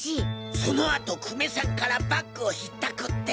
そのあと久米さんからバッグを引ったくって。